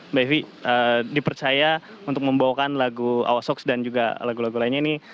mbak ify dipercaya untuk membawakan lagu awas hoax dan juga lagu lagu lainnya ini